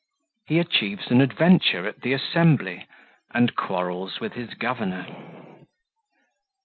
He achieves an Adventure at the Assembly, and quarrels with his Governor.